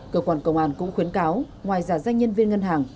cơ quan công an cũng khuyến cáo ngoài giả danh nhân viên ngân hàng